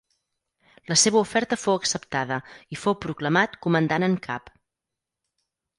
La seva oferta fou acceptada i fou proclamat comandant en cap.